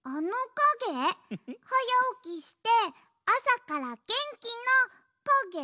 はやおきしてあさからげんきのかげ？